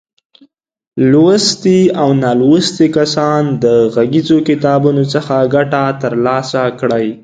لوستي او نالوستي کسان د غږیزو کتابونو څخه ګټه تر لاسه کړي.